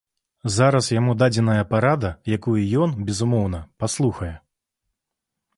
Зараз яму дадзеная парада, якую ён, безумоўна, паслухае.